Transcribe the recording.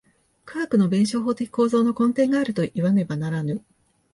科学の弁証法的構造の根底があるといわねばならぬ。